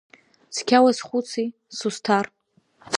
Цқьа уазхәыци, Сусҭар…